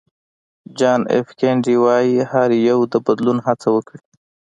جان اېف کېنیډي وایي هر یو د بدلون هڅه وکړي.